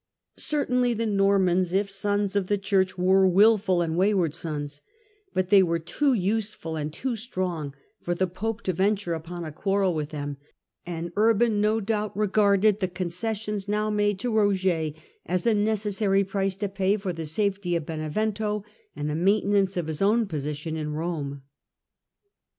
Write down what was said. Certainly the Normans, if sons of the Church, were wilful and wayward sons ; but they were too useful and too strong for the pope to venture upon a quarrel with them, and Urban no doubt regarded the concessions now made to Roger as a necessary price to pay for the safety of Benevento, and the maintenance of his own position in Rome.